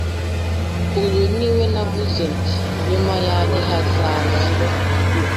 Uyu ni we navuze nti Nyuma yanjye hazaza